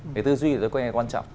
về tư duy thì tôi quên là quan trọng